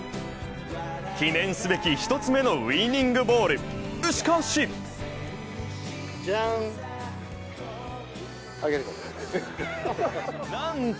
記念すべき、１つ目のウイニングボール、しかしじゃん！